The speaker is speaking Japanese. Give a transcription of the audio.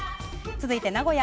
続いて名古屋。